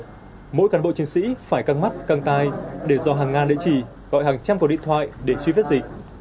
vì vậy mỗi cán bộ chiến sĩ phải căng mắt căng tay để do hàng ngàn địa chỉ gọi hàng trăm cuộc điện thoại để truy vết dịch